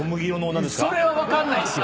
それは分かんないんすよ。